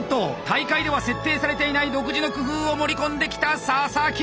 大会では設定されていない独自の工夫を盛り込んできた佐々木！